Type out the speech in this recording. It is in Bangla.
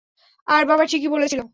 আর বাবা ঠিকই বলেছিল।